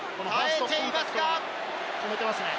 止めてますね。